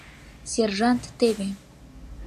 Сержант Теве.